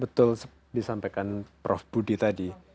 betul disampaikan prof budi tadi